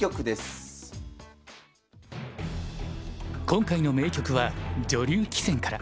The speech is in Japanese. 今回の名局は女流棋戦から。